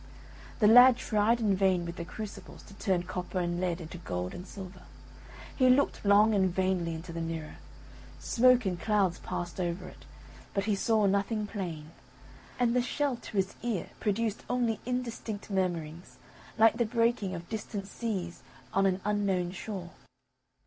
The lad tried in vain with the crucibles to turn copper and lead into gold and silver he looked long and vainly into the mirror; smoke and clouds passed over it, but he saw nothing plain, and the shell to his ear produced only indistinct murmurings, like the breaking of distant seas on an unknown shore.